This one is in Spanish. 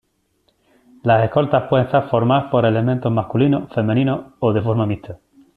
Las escoltas pueden estar conformadas por elementos masculinos, femeninos, o de forma mixta.